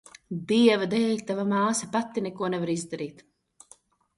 Dieva dēļ, tava māsa pati neko nevar izdarīt.